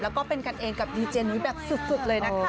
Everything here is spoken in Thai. แล้วก็เป็นกันเองกับดีเจนี้แบบสุดเลยนะคะ